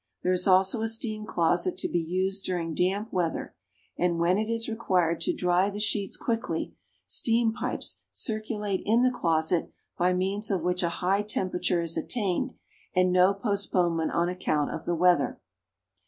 There is also a steam closet to be used during damp weather, and when it is required to dry the sheets quickly. Steam pipes circulate in the closet, by means of which a high temperature is attained, and "no postponement on account of the weather."